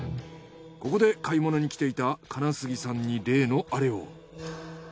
ここで買い物に来ていた金杉さんに例のアレを。